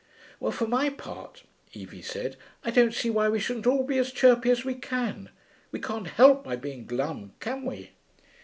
'Well, for my part,' Evie said, 'I don't see why we shouldn't all be as chirpy as we can. We can't help by being glum, can we?'